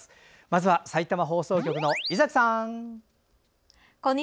まずは、さいたま放送局の猪崎さん。